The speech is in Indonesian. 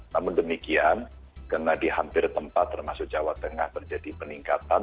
namun demikian karena di hampir tempat termasuk jawa tengah terjadi peningkatan